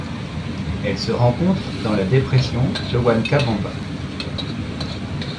Elle se rencontre dans la dépression Huancabamba.